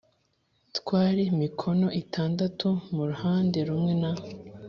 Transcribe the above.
twari mikono itandatu mu ruhande rumwe na